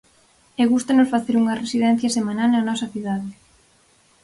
E gústanos facer unha residencia semanal na nosa cidade.